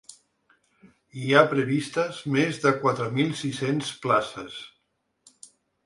Hi ha previstes més de quatre mil sis-cents places.